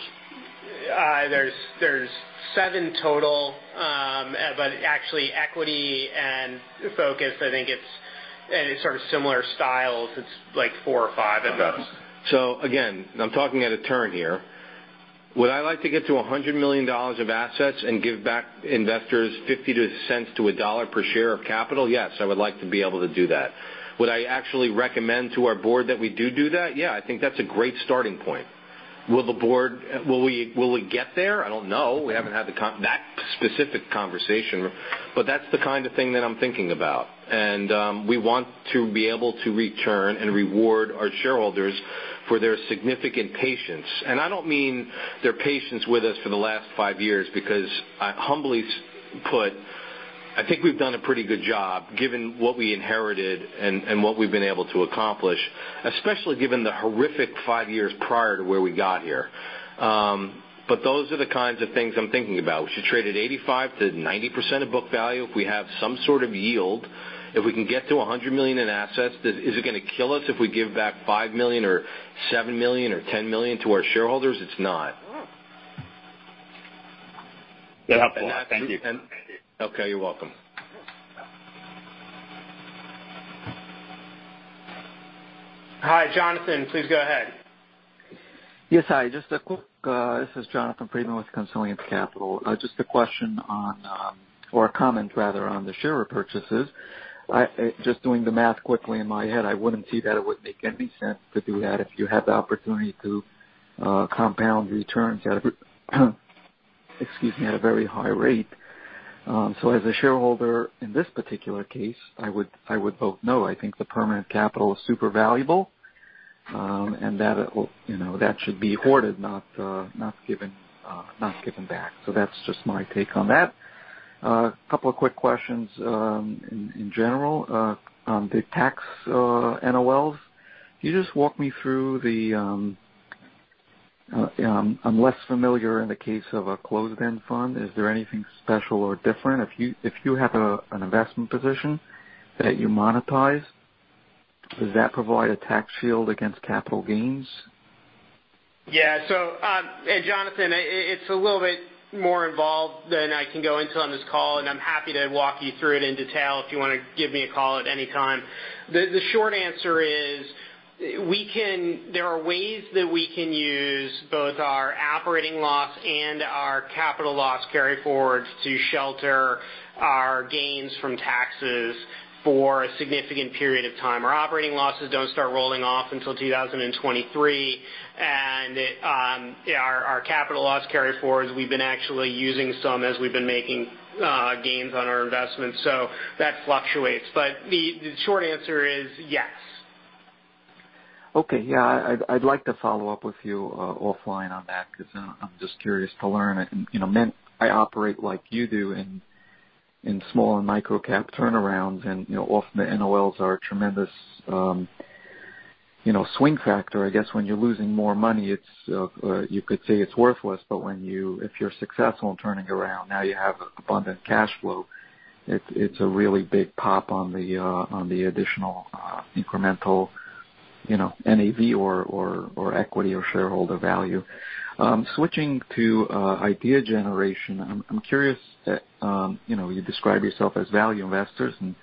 There's seven total, but actually equity-focused, I think it's sort of similar styles. It's like four or five of us. I'm talking out of turn here. Would I like to get to $100 million of assets and give back investors $0.50-$1 per share of capital? Yes, I would like to be able to do that. Would I actually recommend to our board that we do that? Yeah, I think that's a great starting point. Will we get there? I don't know. We haven't had that specific conversation, but that's the kind of thing that I'm thinking about. We want to be able to return and reward our shareholders for their significant patience. I don't mean their patience with us for the last five years, because I humbly submit, I think we've done a pretty good job given what we inherited and what we've been able to accomplish, especially given the horrific five years prior to where we got here. But those are the kinds of things I'm thinking about. We should trade at 85%-90% of book value if we have some sort of yield. If we can get to $100 million in assets, is it gonna kill us if we give back $5 million or $7 million or $10 million to our shareholders? It's not. No. Thank you. Okay, you're welcome. Hi, Jonathan, please go ahead. Yes, hi. Just a quick. This is Jonathan Freedman with Consilience Capital. Just a question on, or a comment rather on the share repurchases. I just doing the math quickly in my head, I wouldn't see that it would make any sense to do that if you had the opportunity to compound returns at a very high rate. As a shareholder in this particular case, I would vote no. I think the permanent capital is super valuable, and that it will, you know, that should be hoarded, not given back. That's just my take on that. Couple of quick questions in general. On the tax, NOLs, can you just walk me through the... I'm less familiar in the case of a closed-end fund. Is there anything special or different? If you have an investment position that you monetize, does that provide a tax shield against capital gains? Yeah. Jonathan, it's a little bit more involved than I can go into on this call, and I'm happy to walk you through it in detail if you wanna give me a call at any time. The short answer is there are ways that we can use both our operating loss and our capital loss carryforwards to shelter our gains from taxes for a significant period of time. Our operating losses don't start rolling off until 2023. Our capital loss carryforwards, we've been actually using some as we've been making gains on our investments, so that fluctuates. But the short answer is yes. Okay. Yeah. I'd like to follow up with you offline on that because I'm just curious to learn. You know, I operate like you do in small and microcap turnarounds. You know, often the NOLs are a tremendous swing factor. I guess when you're losing more money, it's, you could say, it's worthless. But if you're successful in turning around, now you have abundant cash flow. It's a really big pop on the additional, incremental, you know, NAV or equity or shareholder value. Switching to idea generation. I'm curious, you know, you describe yourself as value investors, and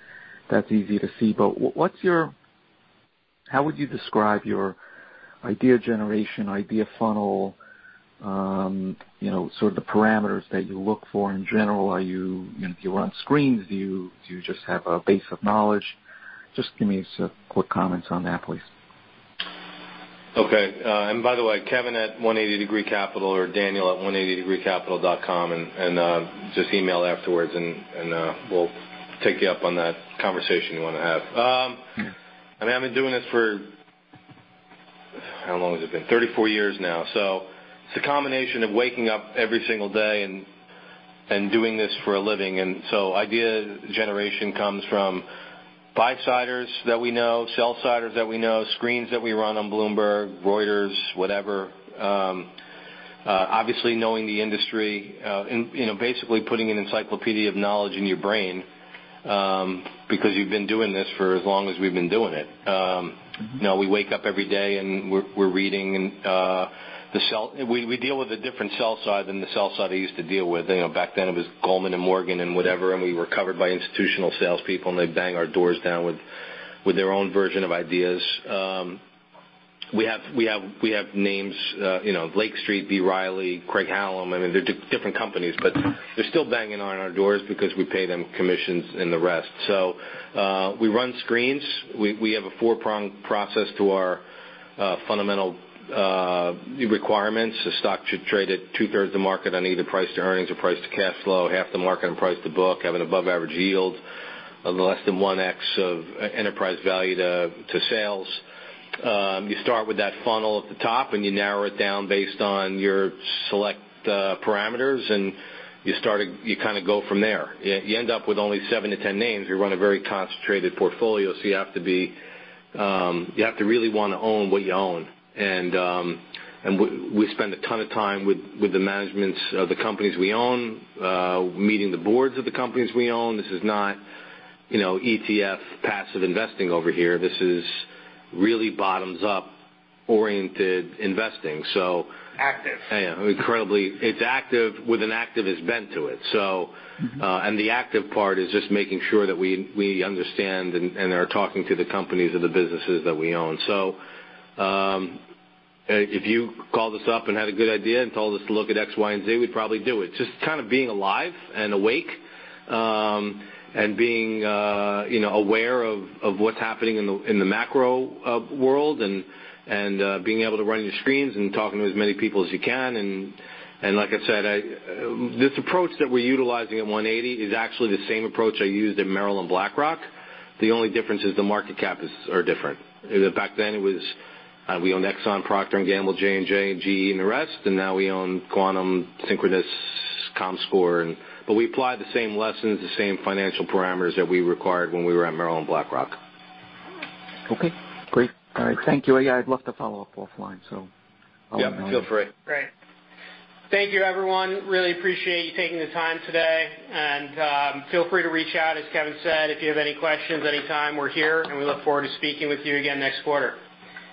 that's easy to see. But how would you describe your idea generation, idea funnel? You know, sort of the parameters that you look for in general. You know, if you run screens, do you just have a base of knowledge? Just give me some quick comments on that, please. Okay. By the way, Kevin at 180 Degree Capital or daniel@180degreecapital.com. Just email afterwards, and we'll take you up on that conversation you wanna have. I mean, I've been doing this for how long has it been? 34 years now. It's a combination of waking up every single day and doing this for a living. Idea generation comes from buysiders that we know, sellsiders that we know, screens that we run on Bloomberg, Reuters, whatever. Obviously knowing the industry, and you know, basically putting an encyclopedia of knowledge in your brain, because you've been doing this for as long as we've been doing it. Now we wake up every day, and we're reading, and we deal with a different sell-side than the sell-side I used to deal with. You know, back then it was Goldman Sachs and Morgan Stanley and whatever, and we were covered by institutional salespeople, and they'd bang our doors down with their own version of ideas. We have names, you know, Lake Street, B. Riley, Craig-Hallum. I mean, they're different companies, but they're still banging on our doors because we pay them commissions and the rest. We run screens. We have a four-pronged process to our fundamental requirements. The stock should trade at two-thirds the market on either price to earnings or price to cash flow, half the market on price to book, have an above-average yield of less than 1x enterprise value to sales. You start with that funnel at the top, and you narrow it down based on your selected parameters, and you kinda go from there. You end up with only seven to 10 names. We run a very concentrated portfolio, so you have to be. You have to really wanna own what you own. We spend a ton of time with the managements of the companies we own, meeting the boards of the companies we own. This is not, you know, ETF passive investing over here. This is really bottom-up oriented investing. Active. Yeah, incredibly. It's active with an activist bent to it. Mm-hmm. The active part is just making sure that we understand and are talking to the companies or the businesses that we own. If you called us up and had a good idea and told us to look at X, Y, and Z, we'd probably do it. Just kind of being alive and awake and being you know aware of what's happening in the macro world and being able to run your screens and talking to as many people as you can. Like I said, this approach that we're utilizing at 180 is actually the same approach I used at Merrill Lynch BlackRock. The only difference is the market caps are different. Back then, it was we owned ExxonMobil, Procter & Gamble, J&J, GE, and the rest, and now we own Quantum, Synchronoss, Comscore. We apply the same lessons, the same financial parameters that we required when we were at Merrill Lynch BlackRock. Okay. Great. All right. Thank you. Yeah, I'd love to follow up offline. I'll let you know. Yeah, feel free. Great. Thank you, everyone. Really appreciate you taking the time today. Feel free to reach out, as Kevin said, if you have any questions anytime. We're here, and we look forward to speaking with you again next quarter,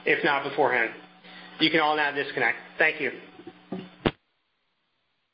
if not beforehand. You can all now disconnect. Thank you.